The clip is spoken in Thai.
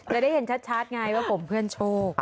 แล้วได้เห็นชัดง่ายว่าผมเพื่อนโชค